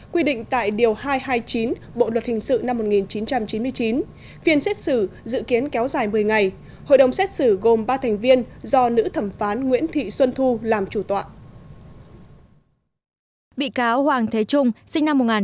quy định tại điều hai trăm hai mươi chín bộ luật hình sự năm một nghìn chín trăm chín mươi chín